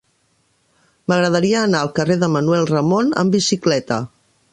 M'agradaria anar al carrer de Manuel Ramon amb bicicleta.